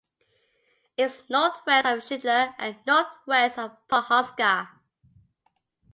It is northwest of Shidler and northwest of Pawhuska.